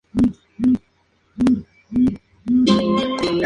Estableció redes internacionales de pruebas experimentales de variedades.